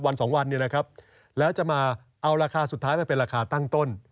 สองวันนี้นะครับแล้วจะมาเอาราคาสุดท้ายไปเป็นราคาตั้งต้น